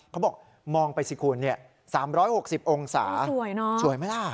เขาบอกมองไปสิคุณสามร้อยหกสิบองศาสวยเนอะสวยไหมล่ะ